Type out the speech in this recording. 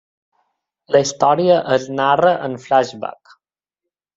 La història es narra en flashback.